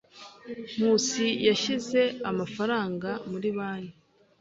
Nkusi yashyize amafaranga muri banki.